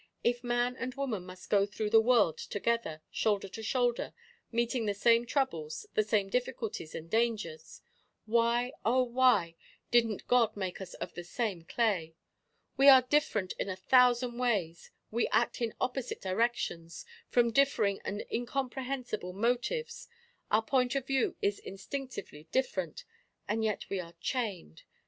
If man and woman must go through the world together, shoulder to shoulder, meeting the same troubles, the same difficulties and dangers, why, oh, why, didn't God make us of the same clay! We are different in a thousand ways; we act in opposite directions, from differing and incomprehensible motives our point of view is instinctively different, and yet we are chained.